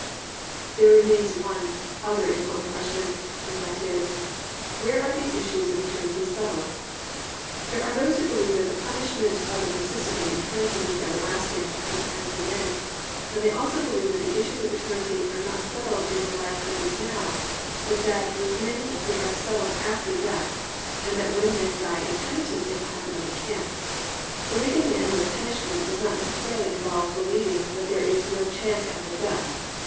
There remains one other important question; and that is, where are the issues of eternity settled. There are those who believe that the punishment of the persistently impenitent is everlasting, that it has no end, but they also believe that the issues of eternity are not settled in the life that now is, but that with many they are settled after death and that when men die impenitent they will have another chance. Believing in endless punishment does not necessarily involve believing that there is no chance after death.